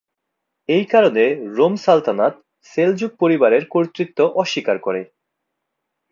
এই কারণে রোম সালতানাত সেলজুক পরিবারের কর্তৃত্ব অস্বীকার করে।